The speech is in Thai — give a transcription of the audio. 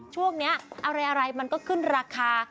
ช่วงนี้อะไรมันก็ขึ้นราคา